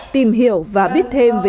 tìm hiểu và biết thêm